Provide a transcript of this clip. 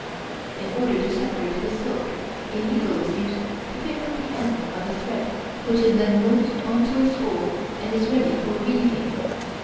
In order to separate the silk a needle is used to pick up the end of the thread which is then wound on to a spool and is ready for weaving.